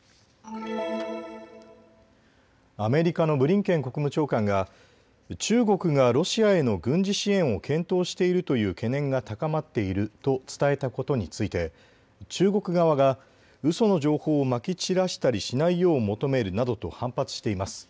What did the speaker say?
アメリカのブリンケン国務長官が中国がロシアへの軍事支援を検討しているという懸念が高まっていると伝えたことについて、中国側がうその情報をまき散らしたりしないよう求めるなどと反発しています。